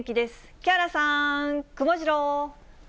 木原さん、くもジロー。